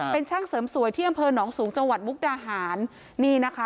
เป็นช่างเสริมสวยที่อำเภอหนองสูงจังหวัดมุกดาหารนี่นะคะ